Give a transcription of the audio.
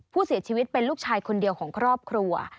ผู้เสียชีวิตเป็นลูกชายคนเดียวของครอบครัว